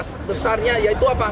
perusahaan besarnya yaitu apa